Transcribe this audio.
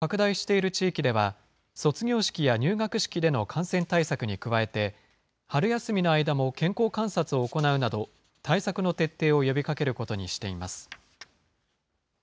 文部科学省は、感染が拡大している地域では、卒業式や入学式での感染対策に加えて、春休みの間も健康観察を行うなど、対策の徹底を呼びかけることにしています。